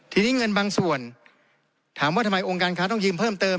ทีนี้เงินบางส่วนถามว่าทำไมองค์การค้าต้องยืมเพิ่มเติม